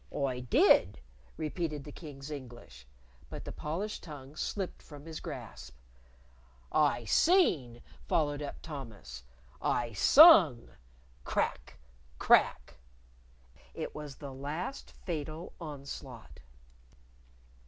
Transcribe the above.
"I did," repeated the King's English but the polished tongue slipped from his grasp! "I seen!" followed up Thomas. "I sung!" Crack! Crack! It was the last fatal onslaught.